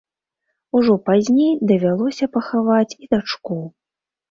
Ужо пазней давялося пахаваць і дачку.